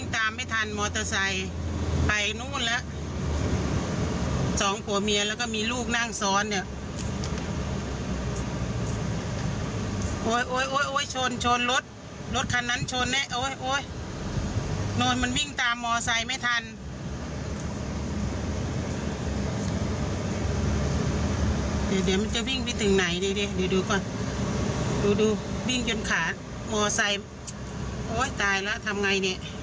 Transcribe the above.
ดูดูก่อนดูวิ่งยนต์ขามอเชอร์ไซส์โอ๊ยตายแล้วทำไงเนี่ย